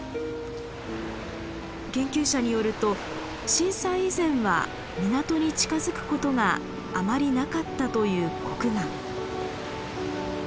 研究者によると震災以前は港に近づくことがあまりなかったというコクガン。